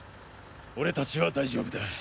俺たちは大丈夫だ。